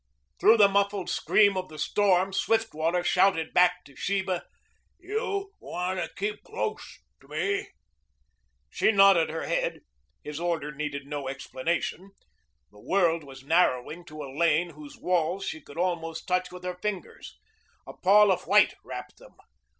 Through the muffled scream of the storm Swiftwater shouted back to Sheba. "You wanta keep close to me." She nodded her head. His order needed no explanation. The world was narrowing to a lane whose walls she could almost touch with her fingers. A pall of white wrapped them.